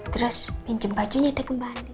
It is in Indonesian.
terus pinjem bajunya dia ke mbak andin